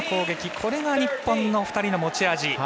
これが日本の２人の持ち味。